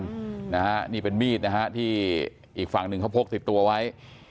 นิ้วนางด้านขวาเป็นมีดนะฮะที่อีกฝั่งหนึ่งเขาพกติบตัวไว้